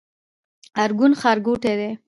ارګون ښارګوټی دی؟